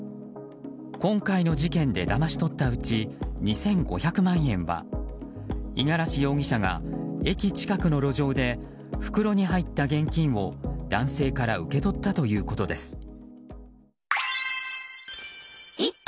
今回の事件でだまし取ったうち２５００万円は五十嵐容疑者が駅近くの路上で袋に入った現金を男性から受け取ったということです。